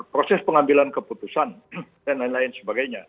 proses pengambilan keputusan dan lain lain sebagainya